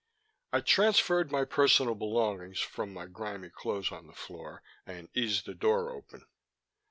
I transferred my personal belongings from the grimy clothes on the floor, and eased the door open.